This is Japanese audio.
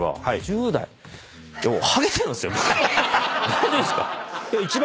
大丈夫っすか？